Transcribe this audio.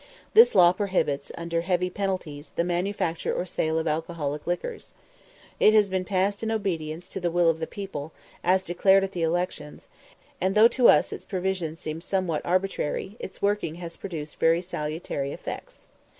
This law prohibits, under heavy penalties, the manufacture or sale of alcoholic liquors. It has been passed in obedience to the will of the people, as declared at the elections; and though to us its provisions seem somewhat arbitrary, its working has produced very salutary effects.